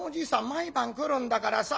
毎晩来るんだからさ